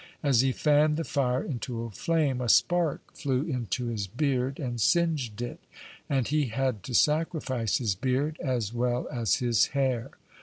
As he fanned the fire into a flame, a spark flew into his beard and singed it, and he had to sacrifice his beard as well as his hair.